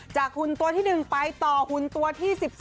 จากหุ่นตัวที่หนึ่งไปต่อหุ่นตัวที่๑๓